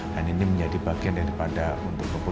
dan ini menjadi bagian daripada untuk pemimpin